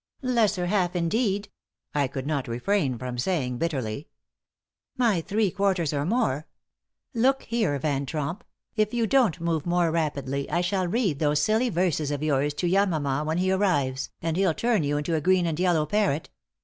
"Lesser half, indeed!" I could not refrain from saying, bitterly. "My three quarters, or more. Look here, Van Tromp, if you don't move more rapidly I shall read those silly verses of yours to Yamama when he arrives, and he'll turn you into a green and yellow parrot.